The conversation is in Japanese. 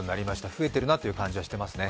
増えているなという感じがしていますね。